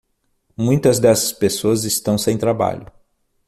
Muitas dessas pessoas estão sem trabalho.